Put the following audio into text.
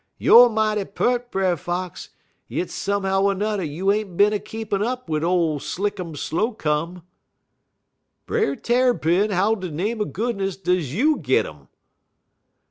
Youer mighty peart, Brer Fox, yit somehow er nudder you ain't bin a keepin' up wid ole Slickum Slow come.' "'Brer Tarrypin, how de name er goodness does you git um?'